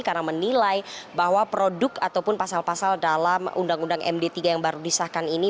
karena menilai bahwa produk ataupun pasal pasal dalam undang undang md tiga yang baru disahkan ini